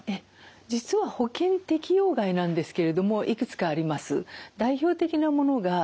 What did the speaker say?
実は保険適用外なんですけれどもいくつかあります。